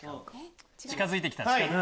近づいて来た。